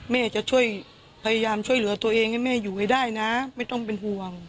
แม่จะช่วยพยายามช่วยเหลือตัวเองให้แม่อยู่ให้ได้นะไม่ต้องเป็นห่วง